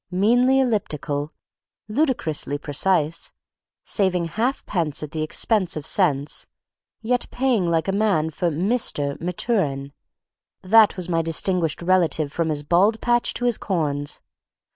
Meanly elliptical, ludicrously precise, saving half pence at the expense of sense, yet paying like a man for "Mr." Maturin, that was my distinguished relative from his bald patch to his corns.